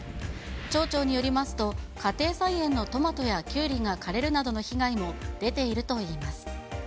町長によりますと、家庭菜園のトマトやキュウリが枯れるなどの被害も出ているといいます。